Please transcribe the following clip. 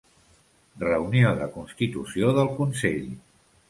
Reunió de constitució del Consell.